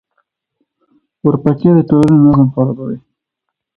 اورپکي د ټولنې نظم خرابوي.